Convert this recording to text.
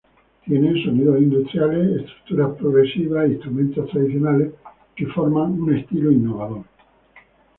Tiene sonidos industriales, estructuras progresivas e instrumentos tradicionales que forman un estilo innovador.